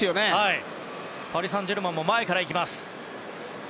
パリ・サンジェルマンも前から行きます。